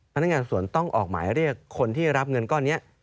พนักงานสวนต้องออกหมายเรียกคนที่รับเงินก้อนนี้